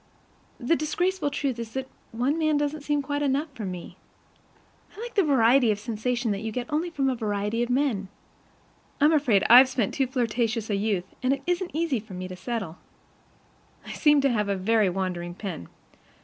The disgraceful truth is that one man doesn't seem quite enough for me. I like the variety of sensation that you get only from a variety of men. I'm afraid I've spent too flirtatious a youth, and it isn't easy for me to settle. I seem to have a very wandering pen.